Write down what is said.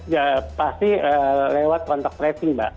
ya pasti lewat kontak tracing mbak